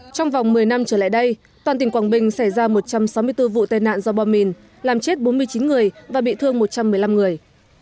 trong vòng một mươi năm trở lại đây toàn tỉnh quảng bình xảy ra một trăm sáu mươi bốn vụ tai nạn do bom mìn làm chết bốn mươi chín người và bị thương một trăm một mươi năm người